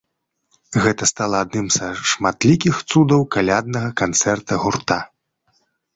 Гэта стала адным са шматлікіх цудаў каляднага канцэрта гурта.